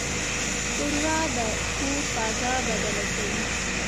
ښوروا د کور فضا بدله کوي.